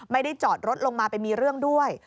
ไม่ได้จอดรถลงมาไปมีเรื่องด้วย